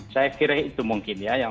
saya kira itu mungkin ya